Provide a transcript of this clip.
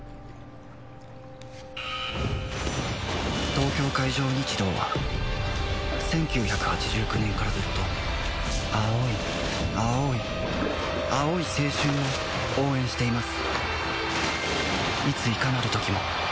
東京海上日動は１９８９年からずっと青い青い青い青春を応援しています